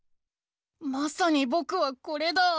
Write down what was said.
まさにぼくはこれだ。